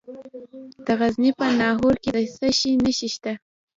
د غزني په ناهور کې د څه شي نښې شته؟